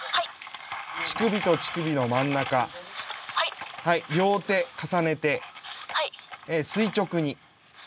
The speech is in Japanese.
乳首と乳首の真ん中はい両手重ねて垂直に。